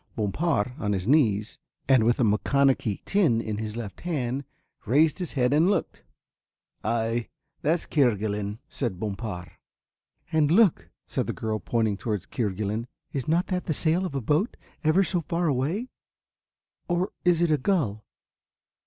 Bompard, on his knees, and with a maconochie tin in his left hand, raised his head and looked. "Ay, that's Kerguelen," said Bompard. "And look," said the girl, pointing towards Kerguelen. "Is not that the sail of a boat, away ever so far or is it a gull?